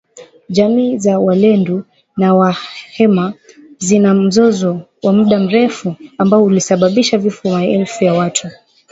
Jamii za walendu na wahema zina mzozo wa muda mrefu ambao ulisababisha vifo vya maelfu ya watu